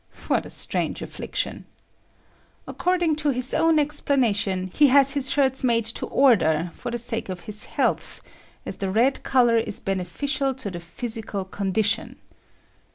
What a strange affliction! According to his own explanation, he has his shirts made to order for the sake of his health as the red color is beneficial to the physical condition.